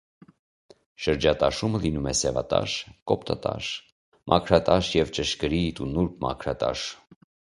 Շրջատաշումը լինում է սևատաշ (կոպտատաշ), մաքրատաշ և ճշգրիտ ու նուրբ մաքրատաշ։